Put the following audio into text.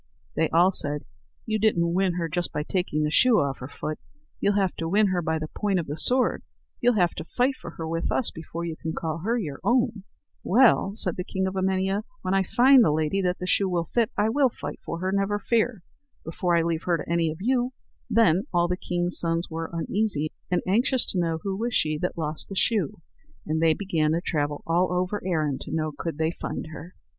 They all said: "You didn't win her just by taking the shoe off her foot; you'll have to win her by the point of the sword; you'll have to fight for her with us before you can call her your own." "Well," said the son of the king of Emania, "when I find the lady that shoe will fit, I'll fight for her, never fear, before I leave her to any of you." Then all the kings' sons were uneasy, and anxious to know who was she that lost the shoe; and they began to travel all over Erin to know could they find her.